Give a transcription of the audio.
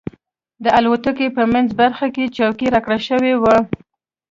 د الوتکې په منځۍ برخه کې چوکۍ راکړل شوې وه.